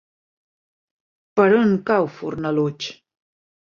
Per on cau Fornalutx?